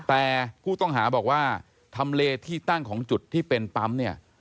แต่ผู้ต้องหาบอกว่าทำเลที่ตั้งของจุดที่เป็นปั๊มเนี่ย